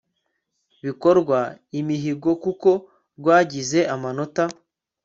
bikorwa imihigo kuko rwagize amanota